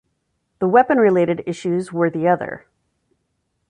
The weapon-related issues were the other.